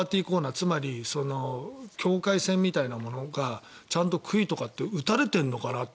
つまり境界線みたいなものがちゃんと杭とかって打たれているのかなって。